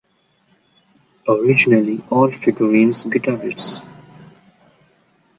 Originally all the Figurines guitarists.